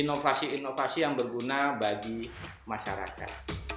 inovasi inovasi yang berguna bagi masyarakat